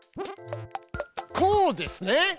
こうですね。